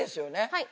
はい。